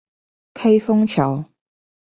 開封橋